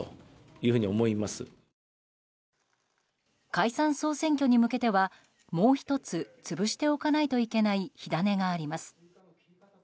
解散・総選挙に向けてはもう１つ潰しておかないといけない火種があります。